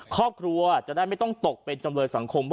ครอบครัวจะไม่ตกเป็นไปจำเริกสังคม